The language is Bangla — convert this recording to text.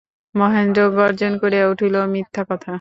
মহেন্দ্র গর্জন করিয়া উঠিল, মিথ্যা কথা!